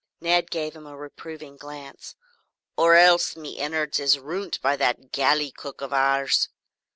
Ned gave him a reproving glance. "Or else, me innards is ruint by that galley cook of ours."